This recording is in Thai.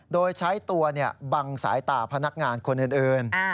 โดยใช้ตัวบังสายตาพนักงานคนอื่น